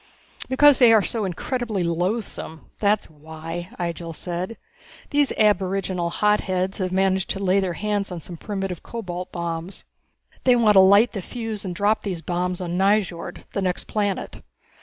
"Because they are so incredibly loathsome, that's why!" Ihjel said. "These aboriginal hotheads have managed to lay their hands on some primitive cobalt bombs. They want to light the fuse and drop these bombs on Nyjord, the next planet.